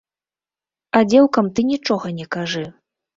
А дзеўкам ты нічога не кажы.